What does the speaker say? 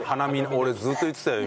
俺ずっと言ってたよ